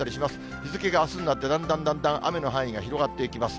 日付があすになって、だんだんだんだん雨の範囲が広がっていきます。